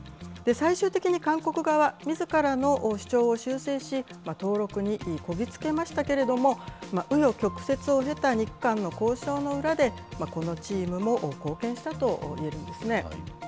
最終的に韓国側、みずからの主張を修正し、登録にこぎ着けましたけれども、う余曲折を経た日韓の交渉の裏で、このチームも貢献したといえるんですね。